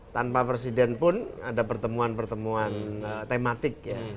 tanpa presiden pun ada pertemuan pertemuan tematik ya